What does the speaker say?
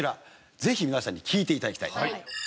ぜひ皆さんに聴いて頂きたい。